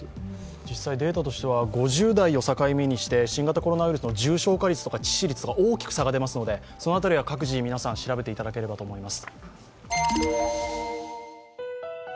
実際データとしては５０代を境目にして新型コロナウイルスの重症化率とか致死率が大きく差が出ますので、各自、皆さん調べていただければと思います。